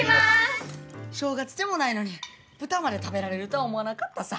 正月でもないのに豚まで食べられるとは思わなかったさ。